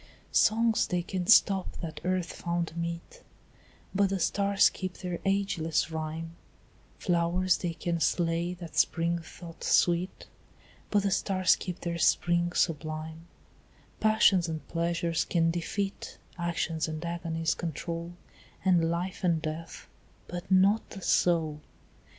Songs they can stop that earth found meet, But the stars keep their ageless rhyme; Flowers they can slay that spring thought sweet, But the stars keep their spring sublime; Passions and pleasures can defeat, Actions and agonies control, And life and death, but not the soul.